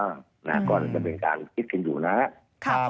ก่อนสำหรับเป็นการคิดขึ้นเยอะนะครับ